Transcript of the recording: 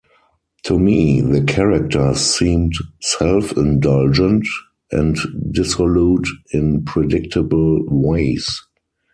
To me, the characters seemed self-indulgent and dissolute in predictable ways.